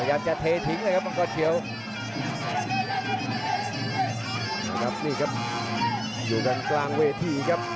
มากลายเปียนเข้าหากลับแบบนี้ครับ